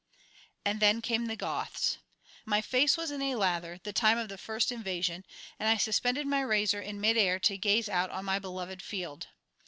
And then came the Goths. My face was in a lather, the time of the first invasion, and I suspended my razor in mid air to gaze out on my beloved field.